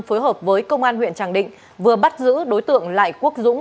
phối hợp với công an huyện tràng định vừa bắt giữ đối tượng lại quốc dũng